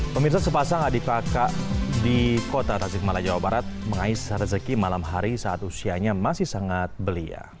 pemirsa sepasang adik kakak di kota tasikmala jawa barat mengais rezeki malam hari saat usianya masih sangat belia